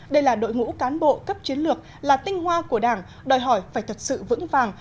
đây là đội ngũ cán bộ cấp chiến lược là tinh hoa của đảng đòi hỏi phải thật sự vững vàng